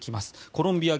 「コロンビア」